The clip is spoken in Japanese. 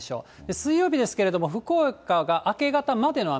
水曜日ですけれども、福岡が明け方までの雨。